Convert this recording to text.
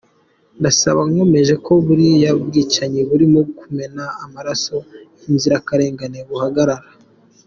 Ndasaba nkomeje ko buriya bwicanyi burimo kumena amaraso y’inzirakarengane buhagarara.